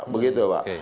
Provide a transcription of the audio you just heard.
begitu ya pak